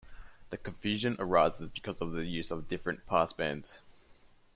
The confusion arises because of the use of different passbands.